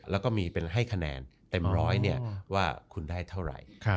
แล้วก็มีเป็นให้คะแนนเต็มร้อยว่าคุณได้เท่าไหร่